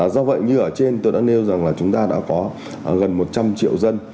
do vậy như ở trên tôi đã nêu rằng là chúng ta đã có gần một trăm linh triệu dân